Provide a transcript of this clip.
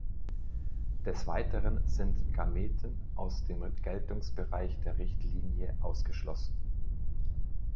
Des Weiteren sind Gameten aus dem Geltungsbereich der Richtlinie ausgeschlossen.